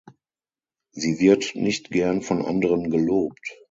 Sie wird nicht gern vor anderen gelobt.